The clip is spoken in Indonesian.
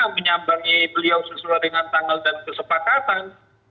menyambangi beliau sesuai dengan tanggal dan kesepakatan